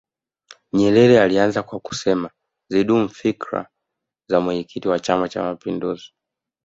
nyerere alianza kwa kusema zidumu fikra za mwenyekiti wa chama cha mapinduzi